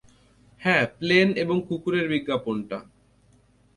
হ্যাঁ, প্লেন এবং কুকুরের বিজ্ঞাপনটা।